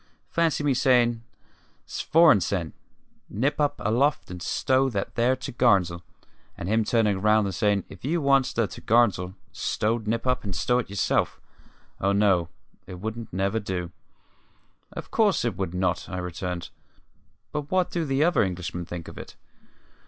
Fancy me sayin': `Svorenssen, nip up aloft and stow that there to'garns'l!' and him turnin' round and sayin': `If you wants the to'garns'l stowed, nip up and stow it yourself!' Oh no; it wouldn't never do." "Of course it would not," I returned. "But what do the other Englishmen think of it?"